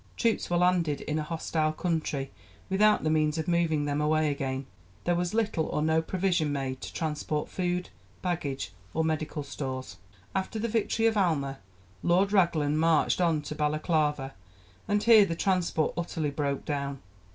Troops were landed in a hostile country without the means of moving them away again; there was little or no provision made to transport food, baggage, or medical stores. After the victory of Alma Lord Raglan marched on to Balaclava, and here the transport utterly broke down.